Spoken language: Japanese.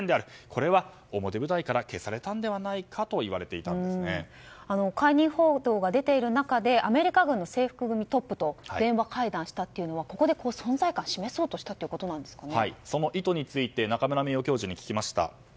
これは表舞台から消されたのではないかと解任報道が出ている中でアメリカ軍の制服組トップと電話会談したというのはここで存在感を示そうとしたその意図について中村名誉教授に聞きました。